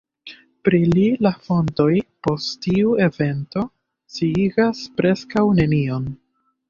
Pri li la fontoj, post tiu evento, sciigas preskaŭ nenion.